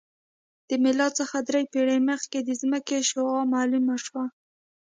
د میلاد څخه درې پېړۍ مخکې د ځمکې شعاع معلومه شوه